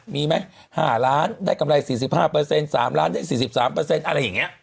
มีไหม๕ล้านได้กำไร๔๕๓ล้านได้๔๓อะไรอย่างนี้